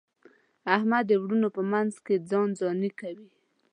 احمد د وروڼو په منځ کې ځان ځاني کوي.